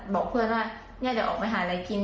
บอกเพื่อนว่าเนี่ยเดี๋ยวออกไปหาอะไรกิน